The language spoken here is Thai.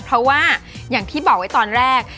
เพราะว่าอย่างที่บอกไว้ตอนแรก